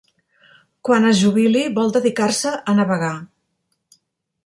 Quan es jubili vol dedicar-se a navegar.